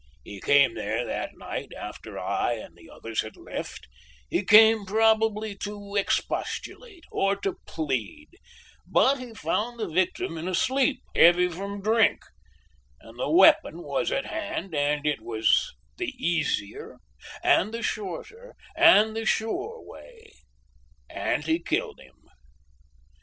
"He came there that night after I and the others had left; he came probably to expostulate, or to plead, but he found the victim in a sleep, heavy from drink, and the weapon was at hand and it was the easier and the shorter and the sure way, and he killed him.